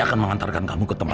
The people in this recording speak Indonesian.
kau mengaking buat apa